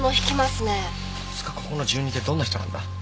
つーかここの住人ってどんな人なんだ？